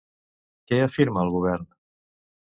Què afirma el govern?